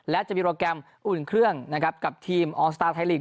และจะมีโปรแกรมอุ่นเครื่องนะครับกับทีมออสตาร์ไทยลีก